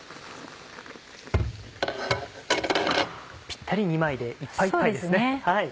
ぴったり２枚でいっぱいいっぱいですね。